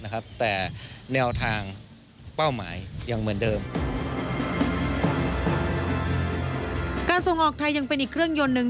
การส่งออกไทยยังเป็นอีกเครื่องยนต์หนึ่ง